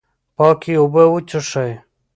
پاکې اوبه وڅښئ.